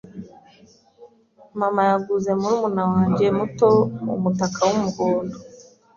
Mama yaguze murumuna wanjye muto umutaka wumuhondo.